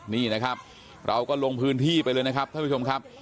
นี่นะครับเราก็ลงพื้นที่ไปเลยนะครับท่านผู้ชมครับ